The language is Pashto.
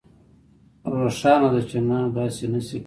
روښانه ده چې نه داسې نشئ کولی